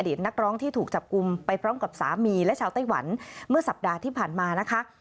นักร้องที่ถูกจับกลุ่มไปพร้อมกับสามีและชาวไต้หวันเมื่อสัปดาห์ที่ผ่านมานะคะ